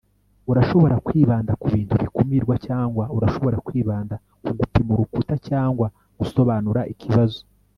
urashobora kwibanda ku bintu bikumirwa cyangwa urashobora kwibanda ku gupima urukuta cyangwa gusobanura ikibazo